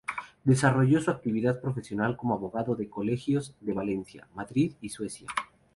Desarrolló su actividad profesional como abogado de los Colegios de Valencia, Madrid y Sueca.